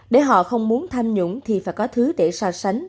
để họ không muốn tham nhũng thì phải có thứ để so sánh